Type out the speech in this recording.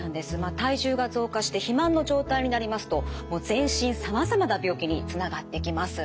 体重が増加して肥満の状態になりますと全身さまざまな病気につながってきます。